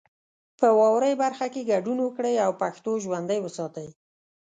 په واورئ برخه کې ګډون وکړئ او پښتو ژوندۍ وساتئ.